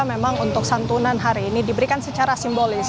memang untuk santunan hari ini diberikan secara simbolis